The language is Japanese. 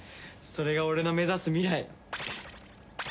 それが俺の目指す未来。